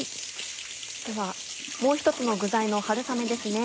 ではもう１つの具材の春雨ですね。